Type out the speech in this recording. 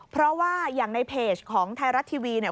เพราะว่าอย่างในเพจของไทยรัฐทีวีเนี่ย